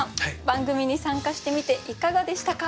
番組に参加してみていかがでしたか？